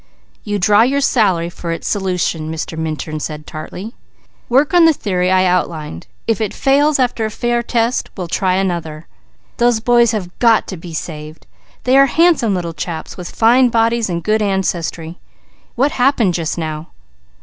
"You draw your salary for its solution," Mr. Minturn said tartly. "Work on the theory I outlined; if it fails after a fair test, we'll try another. Those boys have got to be saved. They are handsome little chaps with fine bodies and good ancestry. What happened just now?"